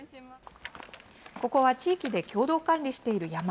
ここは地域で共同管理している山。